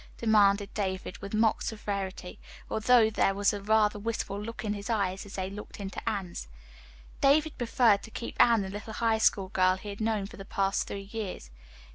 demanded David, with mock severity, although there was a rather wistful look in his eyes as they looked into Anne's. David preferred to keep Anne the little High School girl he had known for the past three years.